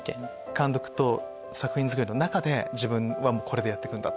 監督と作品作りの中で自分はこれでやってくんだ！